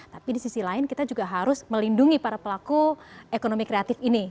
tapi di sisi lain kita juga harus melindungi para pelaku ekonomi kreatif ini